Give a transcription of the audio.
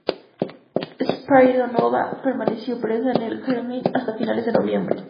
Spiridónova permaneció presa en el Kremlin hasta finales de noviembre.